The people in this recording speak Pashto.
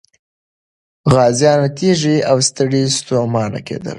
غازيان تږي او ستړي ستومانه کېدل.